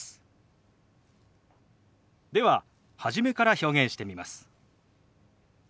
では初めから表現してみます。